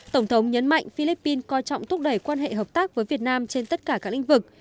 tổng thống nhấn mạnh philippines coi trọng thúc đẩy quan hệ hợp tác với việt nam trên tất cả các lĩnh vực